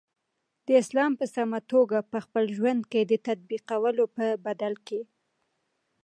د اسلام په سمه توګه په خپل ژوند کی د تطبیقولو په بدل کی